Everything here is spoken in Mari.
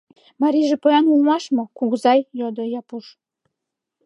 — Марийже поян улмаш мо, кугызай? — йодо Япуш.